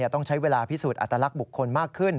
ต้องใช้เวลาพิสูจน์อัตลักษณ์บุคคลมากขึ้น